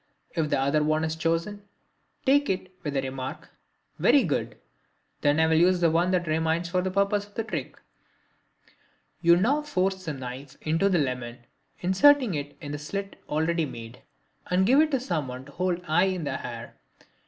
If the other one is chosen take it with the remark: "Very good, then I will use the one that remains for the purpose of the trick." You now force the knife into the lemon, inserting it in the slit already made, and give it to someone to hold high in the air.